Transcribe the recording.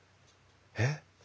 えっ？